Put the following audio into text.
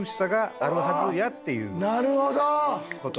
なるほど！